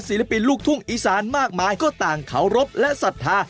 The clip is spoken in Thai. ปินลูกทุ่งอีสานมากมายก็ต่างเคารพและศรัทธา